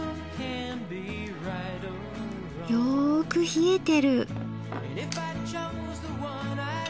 よく冷えてる。